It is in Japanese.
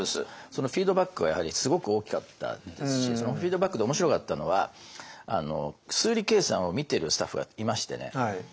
そのフィードバックはやはりすごく大きかったですしそのフィードバックで面白かったのは数理計算を見てるスタッフがいましてね。